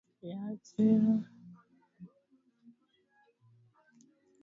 hali iliyopingwa vikali na bagbo pamoja na askari na wafuasi